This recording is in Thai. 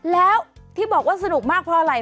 แล้วที่บอกว่าสนุกมากเพราะอะไร